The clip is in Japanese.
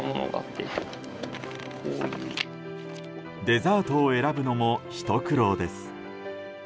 デザートを選ぶのもひと苦労です。